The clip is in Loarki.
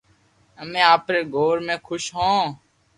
امي امري گور مي خوݾ ھون